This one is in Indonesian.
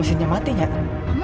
butcher itu buat nyentuh